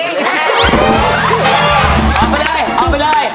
ออกไปได้ออกไปได้